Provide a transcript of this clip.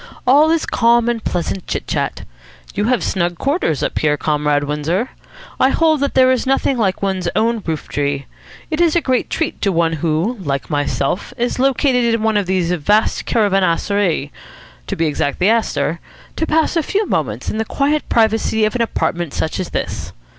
All is calm and pleasant chit chat. You have snug quarters up here, Comrade Windsor. I hold that there is nothing like one's own roof tree. It is a great treat to one who, like myself, is located in one of these vast caravanserai to be exact, the Astor to pass a few moments in the quiet privacy of an apartment such as this."